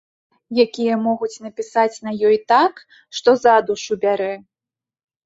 Якія могуць напісаць на ёй так, што за душу бярэ.